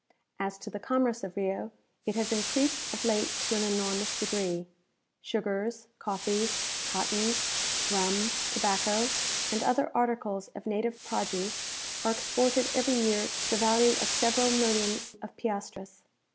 As to the commerce of Rio, it has increased of late to an enormous degree. Sugars, coffees, cottons, rum, tobacco, and other articles of native produce, are exported every year to the value of several millions of piastres.